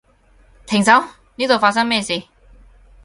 停手，呢度發生咩事？